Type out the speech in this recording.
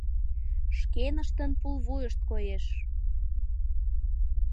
Шкеныштын пулвуйышт коеш!